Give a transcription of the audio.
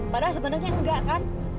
padahal sebenarnya enggak kan